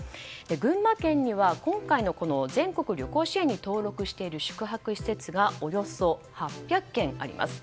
群馬県には今回の全国旅行支援に登録している宿泊施設がおよそ８００軒あります。